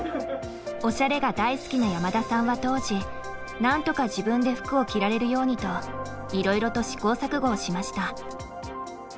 おしゃれが大好きな山田さんは当時なんとか自分で服を着られるようにといろいろと試行錯誤をしました。